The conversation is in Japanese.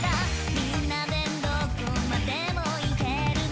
「みんなでどこまでも行けるね」